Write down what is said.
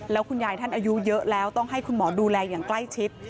แล้วคุณยายท่านอายุเยอะแล้วต้องให้คุณหมอดูแลอย่างใกล้ชิด